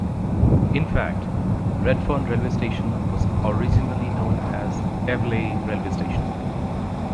In fact, Redfern railway station was originally known as Eveleigh railway station.